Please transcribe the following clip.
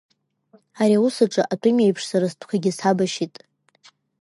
Ари аус аҿы атәым иеиԥш сара стәқәагьы сабашьит.